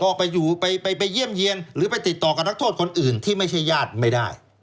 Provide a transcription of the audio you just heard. ก็ไปอยู่ไปเยี่ยมเยี่ยนหรือไปติดต่อกับนักโทษคนอื่นที่ไม่ใช่ญาติไม่ได้